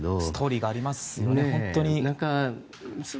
ストーリーがあります。